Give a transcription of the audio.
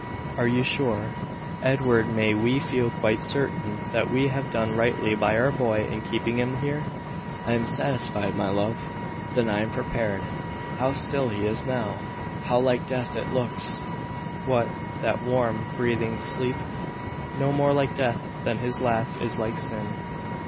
"Are you sure, Edward may we feel quite certain that we have done rightly by our boy in keeping him here?" "I am satisfied, my love." "Then I am prepared. How still he is now! How like death it looks!" "What, that warm, breathing sleep! No more like death than his laugh is like sin."